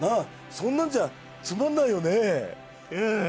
そんなんじゃつまんないよね？